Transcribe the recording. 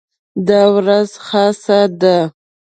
دا ورځ خاصه ده.